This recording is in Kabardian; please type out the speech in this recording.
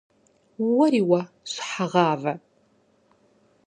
- Уэри уэ, щхьэгъавэ!